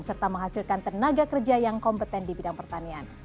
serta menghasilkan tenaga kerja yang kompeten di bidang pertanian